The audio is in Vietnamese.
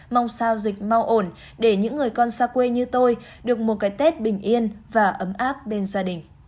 mong sao dịch mau ổn để những người con xa quê như tôi được một cái tết bình yên và ấm áp bên gia đình